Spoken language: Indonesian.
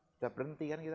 sudah berhenti kan kita